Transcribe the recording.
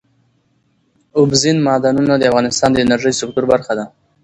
اوبزین معدنونه د افغانستان د انرژۍ سکتور برخه ده.